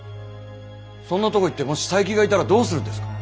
そんなとこ行ってもし佐伯がいたらどうするんですか？